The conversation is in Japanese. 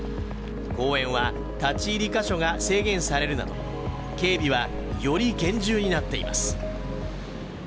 公園は立ち入り箇所が制限されるなど警備は、より厳重になっています。